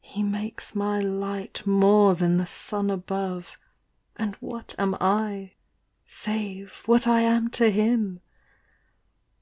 He makes my light more than the son above. And idiat am I save idiat I am to him?